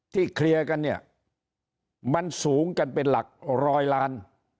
เคลียร์กันเนี่ยมันสูงกันเป็นหลักร้อยล้าน